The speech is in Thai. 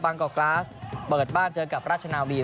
กอกกราสเปิดบ้านเจอกับราชนาวี